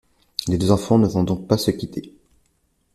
Les deux enfants ne vont donc pas se quitter.